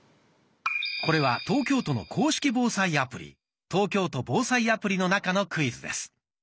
これは東京都の公式防災アプリ「東京都防災アプリ」の中のクイズです。